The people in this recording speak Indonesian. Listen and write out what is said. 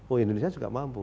oh indonesia juga mampu